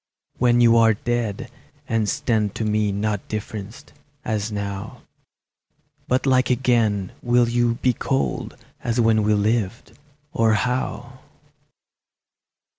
When you are dead, and stand to me Not differenced, as now, But like again, will you be cold As when we lived, or how?